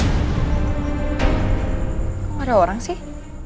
kok gak ada orang sih